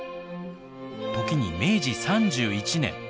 時に明治３１年。